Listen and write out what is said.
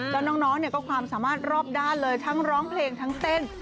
แล้วน้องเนี่ยก็ความสามารถรอบด้านเลยทั้งร้องเพลงทั้งเต้น